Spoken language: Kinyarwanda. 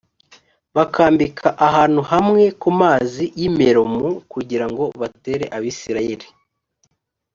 bakambika ahantu hamwe ku mazi y i meromu kugira ngo batere abisirayeli